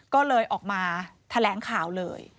ก็เลยออกมาแถลงข่าวเลย